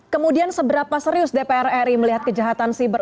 kemudian seberapa serius dpr ri melihat kejahatan siber